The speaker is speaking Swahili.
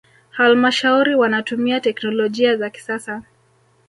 halmashauri wanatumia teknolojia za kisasa